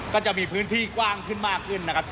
ก็จะมีพื้นที่กว้างขึ้นมากขึ้นนะครับ